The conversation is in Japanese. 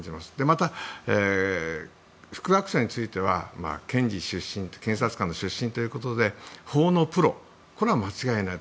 また、副学長については検察官出身ということで法のプロなのは間違いない。